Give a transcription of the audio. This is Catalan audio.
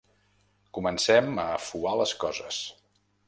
Comencem a afuar les coses.